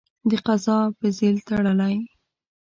د قضا په ځېل تړلی.